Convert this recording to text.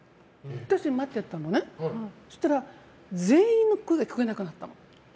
待っていたら全員の声が聞こえなくなったの。